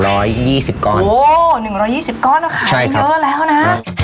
โอ้ว๑๒๐ก่อนนะคะเยอะแล้วนะ